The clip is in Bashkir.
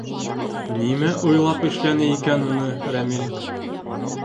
Нимә уйлап эшләне икән уны Рәмил?..